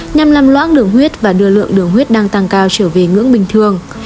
nhằm làm loang đường huyết và đưa lượng đường huyết đang tăng cao trở về ngưỡng bình thường